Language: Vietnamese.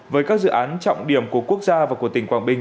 với các dự án trọng điểm của quốc gia và của tỉnh quảng bình